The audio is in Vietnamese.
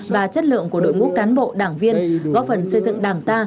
và chất lượng của đội ngũ cán bộ đảng viên góp phần xây dựng đảng ta